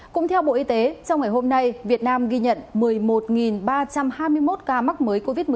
cũng theo bộ y tế trong ngày hôm nay việt nam ghi nhận một mươi một ba trăm hai mươi một ca mắc mới covid một mươi chín